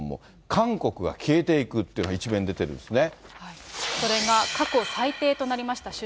韓国が消えていくっていうのが、１面に出てるんですね。